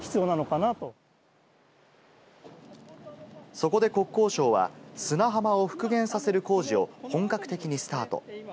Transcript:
そこで国交省は砂浜を復元させる工事を本格的にスタート。